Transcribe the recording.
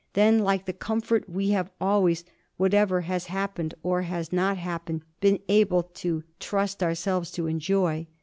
than like the comfort we have always (whatever has happened or has not happened) been able to trust ourselves to enjoy.